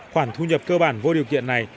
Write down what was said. khoản thu nhập cơ bản vô điều kiện này